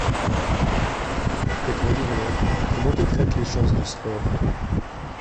Et toi, Dureynel, comment te traitent les chances du sport ?